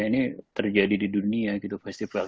ini terjadi di dunia gitu festival